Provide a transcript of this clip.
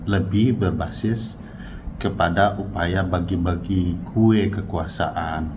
lebih berbasis kepada upaya bagi bagi kue kekuasaan